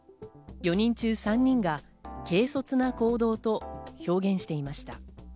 ４人中３人が軽率な行動と表現していました。